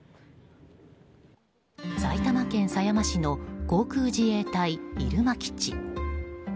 埼玉県狭山市の航空自衛隊入間基地。